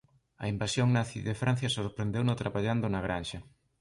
A invasión nazi de Francia sorprendeuno traballando na granxa.